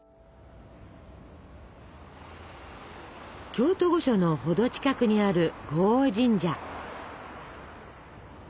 京都御所のほど近くにある護王神社。